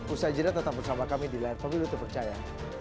usai jeda tetap bersama kami di layar pemilu terpercaya